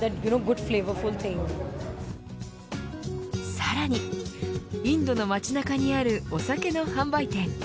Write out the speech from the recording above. さらにインドの街中にあるお酒の販売店。